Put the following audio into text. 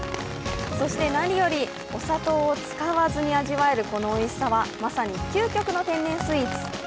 そして何よりお砂糖を使わずに味わえるこのおいしさはまさに究極の天然スイーツ。